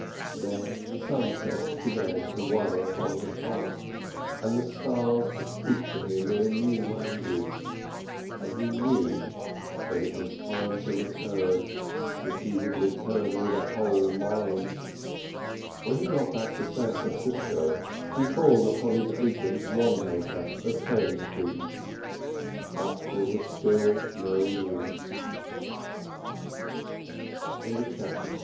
Then the sunsets began to weigh upon his heart, and the stars to speak to him in a new language, and he knew that it was time to return, if he would return with a whole mind. When he got back to San Francisco he called upon his agent, Wannamaker of Kearney Street, but there was still no news.